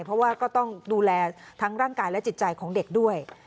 เพราะว่าก็ต้องดูแลทั้งร่างกายและจิตใจของเด็กด้วย